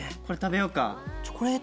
これ食べようか。